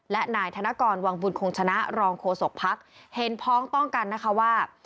และนายธนกรวังบุญคงชนะรองโฆษกภักดิ์เห็นพ้องต้องกันนะคะว่า